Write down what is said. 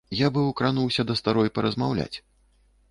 Я, быў, крануўся да старой паразмаўляць.